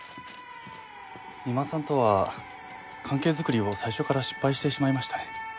三馬さんとは関係作りを最初から失敗してしまいましたね。